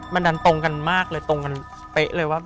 มันดันตรงกันมากเลยตรงกันเป๊ะเลยว่า